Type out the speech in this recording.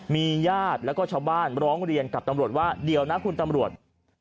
มีญาติแล้วก็ชาวบ้านร้องเรียนกับตำรวจว่าเดี๋ยวนะคุณตำรวจ